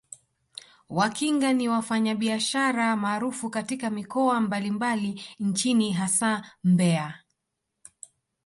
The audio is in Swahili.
Wakinga ni wafanyabiashara maarufu katika mikoa mbalimbali nchini hasa Mbeya